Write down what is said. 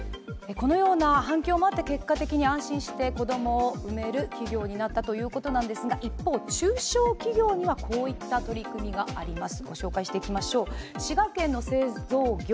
このような反響もあって結果的に安心して子供を産める企業になったということなんですが、一方、中小企業にはこういった取り組みがあります。